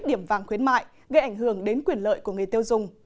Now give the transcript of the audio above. điểm vàng khuyến mại gây ảnh hưởng đến quyền lợi của người tiêu dùng